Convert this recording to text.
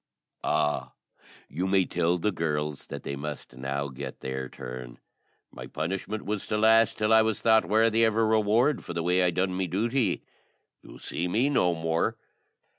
"Ah, you may tell the girls that they must now get their turn. My punishment was to last till I was thought worthy of a reward for the way I done my duty. You'll see me no more."